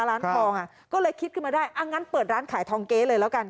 ร้านทองอ่ะก็เลยคิดขึ้นมาได้อ่ะงั้นเปิดร้านขายทองเก๊เลยแล้วกัน